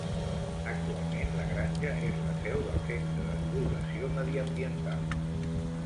Actualment la granja és la seu del Centre de Divulgació Mediambiental.